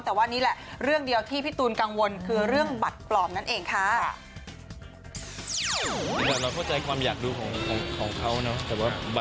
แต่ว่านี่แหละเรื่องเดียวที่พี่ตูนกังวลคือเรื่องบัตรปลอมนั่นเองค่ะ